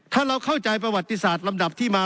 ถ้าเราเข้าใจประวัติศาสตร์ลำดับที่มา